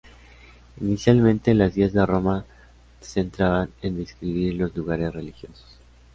Inicialmente las guías de Roma se centraban en describir los lugares religiosos.